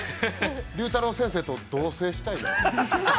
龍太郎先生と同棲したいです。